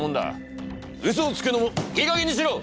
うそをつくのもいいかげんにしろ！